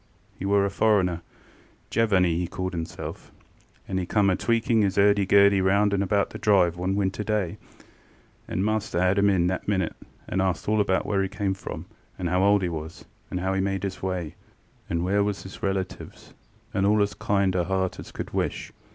ŌĆ£He were a foreignerŌĆöJevanny he called hisselfŌĆöand he come a tweaking his ŌĆÖurdy gurdy round and about the drive one winter day, and master ŌĆÖad him in that minute, and ast all about where he came from, and how old he was, and how he made his way, and where was his relatives, and all as kind as heart could wish.